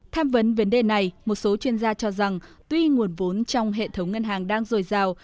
tham vấn vấn đề này một số chuyên gia cho rằng tuy nguồn vốn trong hệ thống ngân hàng đang dồi dào